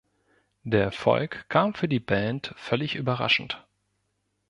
Der Erfolg kam für die Band völlig überraschend.